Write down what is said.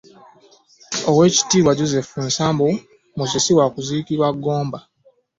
Oweekitiibwa Joseph Nsambu Musisi wa kuziikibwa Gomba